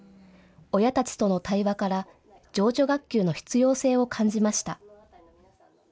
親たちとの対話から情緒学級の必要性を感じました。